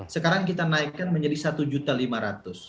sekarang kita naikkan menjadi rp satu lima ratus